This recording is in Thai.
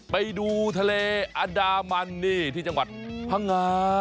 ไปดูทะเลอันดามันนี่ที่จังหวัดพังงา